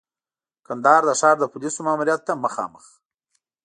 کندهار د ښار د پولیسو ماموریت ته مخامخ.